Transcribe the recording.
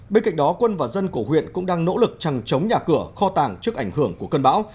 bên cạnh đó quân và dân của huyện cũng đang nỗ lực chẳng chống nhà cửa kho tàng trước ảnh hưởng của cơn bão